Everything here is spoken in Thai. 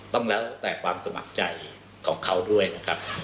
ต้องแล้วแต่ความสมัครใจของเขาด้วยนะครับ